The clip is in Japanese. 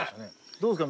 どうですか？